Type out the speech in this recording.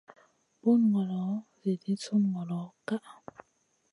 Bun ngolo edii sun ngolo ka ʼa.